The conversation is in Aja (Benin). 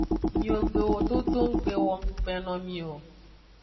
Miwo gbewo dodo nggbe wo ngukpe no mi o.